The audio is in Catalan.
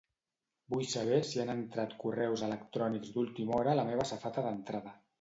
Vull saber si han entrat correus electrònics d'última hora a la meva safata d'entrada.